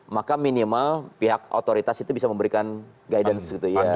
maka minimal pihak otoritas itu bisa memberikan guidance gitu ya